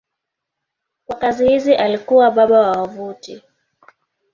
Kwa kazi hizi alikuwa baba wa wavuti.